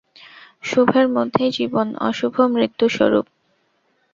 শুভের মধ্যেই জীবন, অশুভ মৃত্যুস্বরূপ।